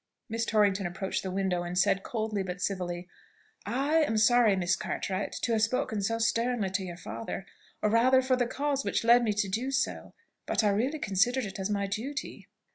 Miss Torrington approached the window, and said coldly, but civilly, "I am sorry, Miss Cartwright, to have spoken so sternly to your father, or rather, for the cause which led me to do so, but I really considered it as my duty."